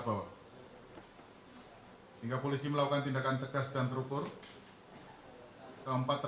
mau membangun dan serentak motornya